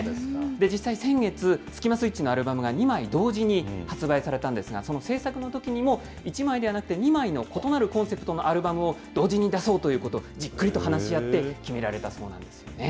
実際、先月、スキマスイッチのアルバムが２枚同時に発売されたんですが、その制作のときにも、１枚ではなくて、２枚の異なるコンセプトのアルバムを同時に出そうということを、じっくりと話し合って、決められたそうなんですよね。